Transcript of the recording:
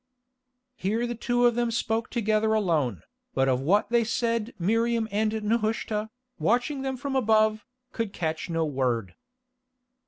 Here the two of them spoke together alone, but of what they said Miriam and Nehushta, watching them from above, could catch no word.